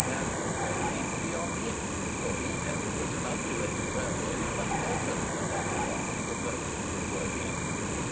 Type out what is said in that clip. Badnell went even beyond him, for he held that an undulating railway was much better than a level one for purposes of working.